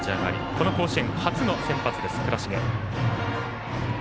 この甲子園初の先発です、倉重。